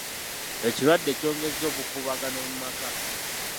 Ekirwadde kyongezza obukuubagano mu maka.